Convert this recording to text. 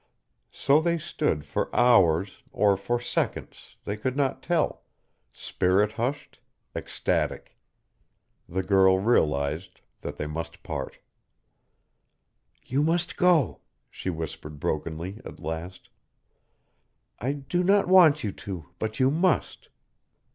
So they stood for hours or for seconds, they could not tell, spirit hushed, ecstatic. The girl realized that they must part. "You must go," she whispered brokenly, at last. "I do not want you to, but you must."